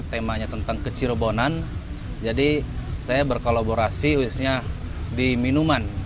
temanya tentang kecirebonan jadi saya berkolaborasi khususnya di minuman